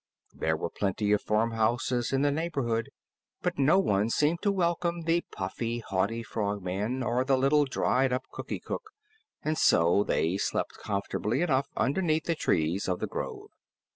There were plenty of farmhouses in the neighborhood, but no one seemed to welcome the puffy, haughty Frogman or the little dried up Cookie Cook, and so they slept comfortably enough underneath the trees of the grove.